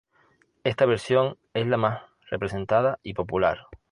Esta versión es la más representada y popular.